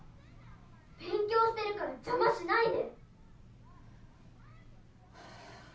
勉強してるから邪魔しないで！